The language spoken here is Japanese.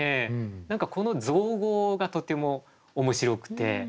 何かこの造語がとても面白くて。